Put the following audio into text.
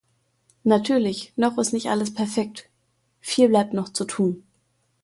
Natürlich – noch ist nicht alles perfekt, viel bleibt noch zu tun.